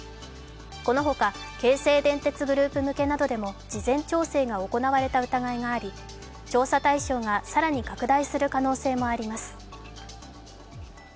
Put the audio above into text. このほか、京成電鉄グループ向けなどでも、事前調整が行われた疑いがあり、調査対象が更に拡大する可能性もあります。